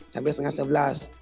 sampai setengah sebelas